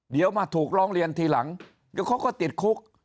เดี๋ยวมาถูกร้องเรียนทีหลังเดี๋ยวเขาก็ติดคุก